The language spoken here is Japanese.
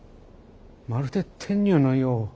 まるで天女のよう。